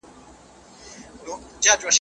داده سګريټ دود لا